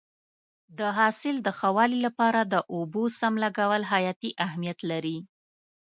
د حاصل د ښه والي لپاره د اوبو سم لګول حیاتي اهمیت لري.